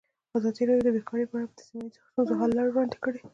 ازادي راډیو د بیکاري په اړه د سیمه ییزو ستونزو حل لارې راوړاندې کړې.